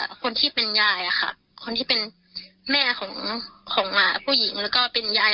คนที่เป็นยายอะค่ะคนที่เป็นแม่ของของหมาผู้หญิงแล้วก็เป็นยาย